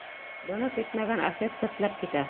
Быны көтмәгән Асет тертләп китә.